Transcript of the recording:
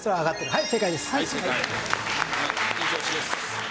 はい。